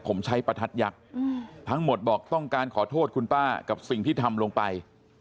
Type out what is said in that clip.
ผมใช้ประทัดยักษ์ทั้งหมดบอกต้องการขอโทษคุณป้ากับสิ่งที่ทำลงไป